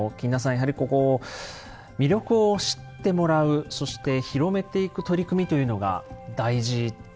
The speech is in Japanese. やはりここ魅力を知ってもらうそして広めていく取り組みというのが大事ですか？